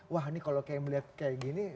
wah ini kalau kayak melihat kayak gini